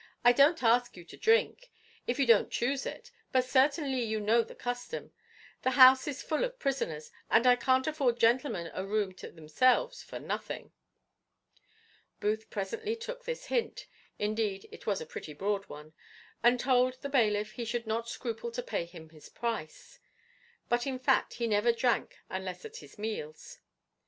I don't ask you to drink, if you don't chuse it; but certainly you know the custom; the house is full of prisoners, and I can't afford gentlemen a room to themselves for nothing." Booth presently took this hint indeed it was a pretty broad one and told the bailiff he should not scruple to pay him his price; but in fact he never drank unless at his meals.